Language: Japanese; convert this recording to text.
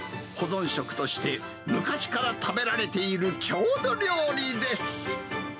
保存食として昔から食べられている郷土料理です。